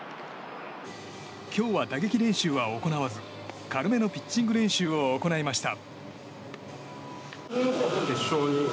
今日は打撃練習は行わず軽めのピッチング練習を行いました。